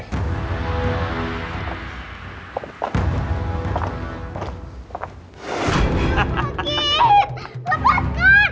tidak pak kit